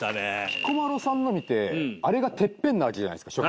彦摩呂さんの見てあれがてっぺんなわけじゃないですか